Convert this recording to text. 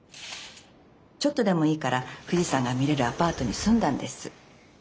ちょっとでもいいから富士山が見れるアパートに住んだんです。